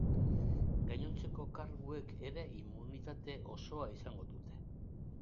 Gainontzeko karguek ere inmunitate osoa izango dute.